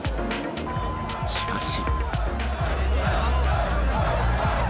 しかし。